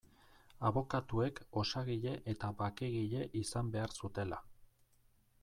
Abokatuek osagile eta bakegile izan behar zutela.